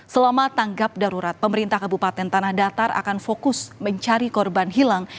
selama tanggap darurat pemerintah kabupaten tanah datar akan fokus mencari korban hilang